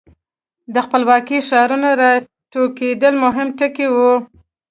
د خپلواکو ښارونو را ټوکېدل مهم ټکي وو.